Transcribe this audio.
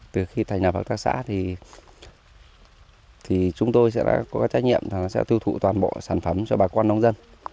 từ khi thành lập hợp tác xã thì chúng tôi sẽ có trách nhiệm tiêu thụ toàn bộ sản phẩm cho bà con nông dân